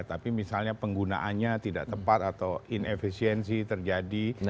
tapi misalnya penggunaannya tidak tepat atau in efisiensi terjadi